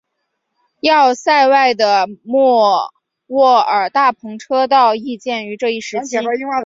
要塞外的莫卧尔大篷车道亦建于这一时期。